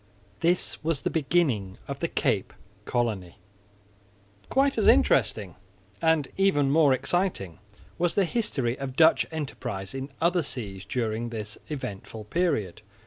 This was the beginning of the Cape colony. Quite as interesting, and even more exciting, was the history of Dutch enterprise in other seas during this eventful period.